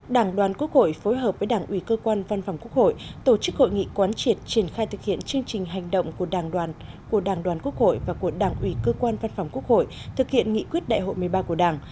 đảng đoàn quốc hội phối hợp với đảng ủy cơ quan văn phòng quốc hội tổ chức hội nghị quán triệt triển khai thực hiện chương trình hành động của đảng đoàn quốc hội và của đảng ủy cơ quan văn phòng quốc hội thực hiện nghị quyết đại hội một mươi ba của đảng